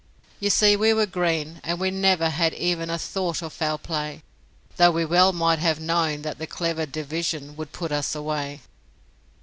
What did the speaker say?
You see we were green; and we never Had even a thought of foul play, Though we well might have known that the clever Division would 'put us away'.